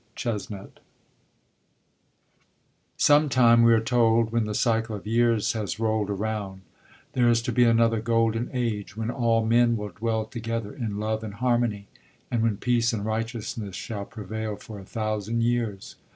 CHESNUTT Some time, we are told, when the cycle of years has rolled around, there is to be another golden age, when all men will dwell together in love and harmony, and when peace and righteousness shall prevail for a thousand years.